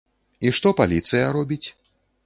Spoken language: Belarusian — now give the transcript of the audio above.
І што паліцыя робіць?